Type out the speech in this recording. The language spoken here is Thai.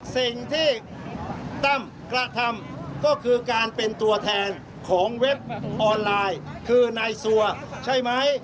สิ่งที่ตั้มกระทำก็คือการเป็นตัวแทนของเว็บออนไลน์คือนายซัวใช่ไหม